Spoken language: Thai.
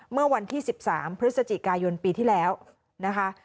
เมื่อวันที่๑๓พฤศจิกายนปีที่แล้วนะคะ